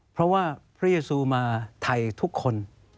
เพราะว่าพระเยซูมาไทยทุกคน